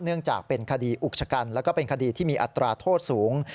เนื่องจากเป็นคดีอุกชะกันแล้วก็เป็นคดีที่มีอัตราโทษสูง